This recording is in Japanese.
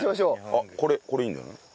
あっこれこれいいんじゃない？